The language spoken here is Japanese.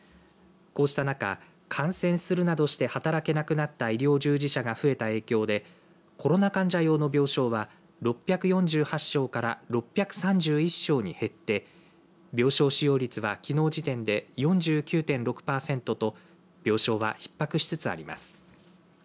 こうした中、感染するなどして働けなくなった医療従事者が増えた影響でコロナ患者用の病床は６４８床から６３１床に減って病床使用率は、きのう時点で４９．６パーセントと病床は、ひっ迫しつつあります。